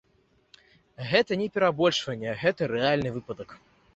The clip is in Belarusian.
Гэта не перабольшванне, гэта рэальны выпадак.